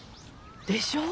でしょ？